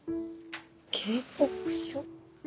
警告書？